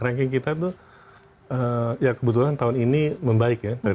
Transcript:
ranking kita tuh ya kebetulan tahun ini membaik ya